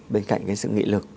bên cạnh cái sự nghị lực